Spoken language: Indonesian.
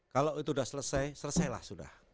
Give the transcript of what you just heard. kalau itu sudah selesai selesailah sudah